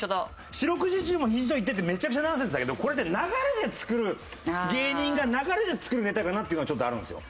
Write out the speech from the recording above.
「四六時中もひじと言って」ってめちゃくちゃナンセンスだけどこれって流れで作る芸人が流れで作るネタかなっていうのがちょっとあるんですよ。